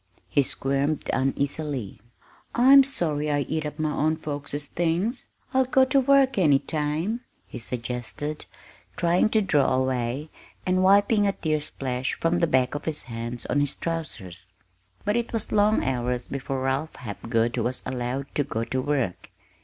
He squirmed uneasily. "I'm sorry I eat up my own folks's things. I'll go to work any time," he suggested, trying to draw away, and wiping a tear splash from the back of his hand on his trousers. But it was long hours before Ralph Hapgood was allowed to "go to work."